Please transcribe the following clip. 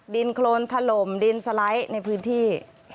ดินโครนถล่มดินสไลด์ในพื้นที่